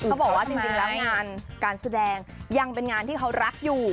เขาบอกว่าจริงแล้วงานการแสดงยังเป็นงานที่เขารักอยู่